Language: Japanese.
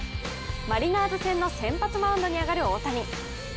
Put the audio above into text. マリナーズ戦の先発マウンドに上がる大谷。